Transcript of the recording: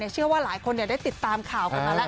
เชื่อว่าหลายคนได้ติดตามข่าวกันมาแล้ว